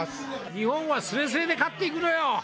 日本はすれすれで勝っていくのよ。